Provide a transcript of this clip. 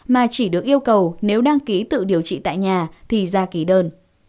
mà chỉ được yêu cầu nếu đăng ký tự điều trị tại nhà thì ra ký đơn